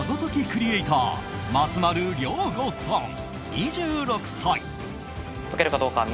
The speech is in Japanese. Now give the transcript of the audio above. クリエーター松丸亮吾さん、２６歳。